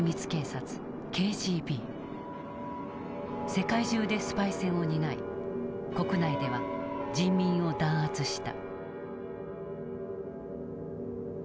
世界中でスパイ戦を担い国内では人民を弾圧した。